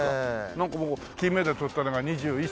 なんかもう金メダル取ったのが２１歳。